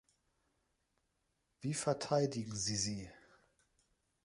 Wie verteidigen Sie sie?